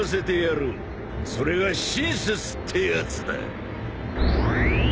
それが親切ってやつだ。